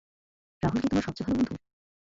রাহুল কি তোমার সবচেয়ে ভালো বন্ধু?